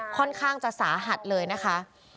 ค่อนข้างจะสาหัสเลยนะคะ